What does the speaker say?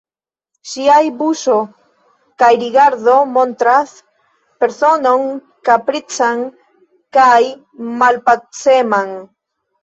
Ŝiaj buŝo kaj rigardo montras personon kaprican kaj malpaceman.